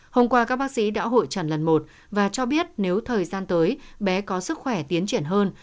hôm qua các bác sĩ đã hội trần lần một và cho biết nếu thời gian tới bé có sức khỏe tiến triển hơn